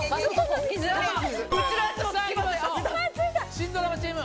「新ドラマチーム」。